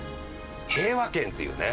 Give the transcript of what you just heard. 平和軒っていうね。